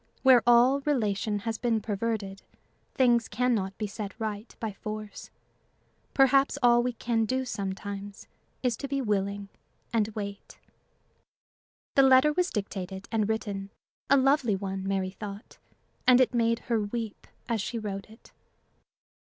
Where all relation has been perverted, things can not be set right by force. Perhaps all we can do sometimes is to be willing and wait. The letter was dictated and written a lovely one, Mary thought and it made her weep as she wrote it.